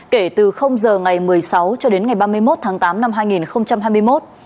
kể từ giờ ngày một mươi sáu cho đến ngày ba mươi một tháng tám năm hai nghìn hai mươi một